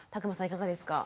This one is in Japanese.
いかがですか？